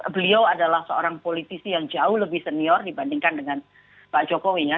beliau adalah seorang politisi yang jauh lebih senior dibandingkan dengan pak jokowi ya